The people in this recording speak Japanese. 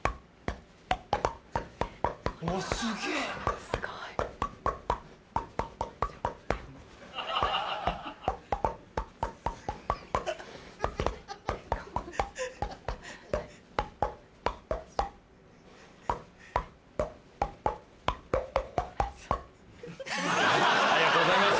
・おっすげぇ・ありがとうございます。